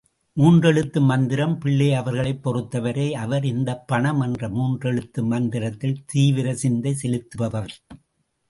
மூன்றெழுத்து மந்திரம் பிள்ளையவர்களைப் பொறுத்தவரை, அவர் இந்தப் பணம் என்ற மூன்றெழுத்து மந்திரத்தில் தீவிர சிந்தை செலுத்துபவர்.